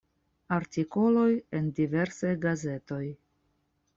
Artikoloj en diversaj gazetoj.